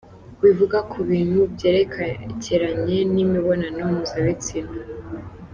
Wivuga ku bintu byerekeranye n’imibonano mpuzabitsina :.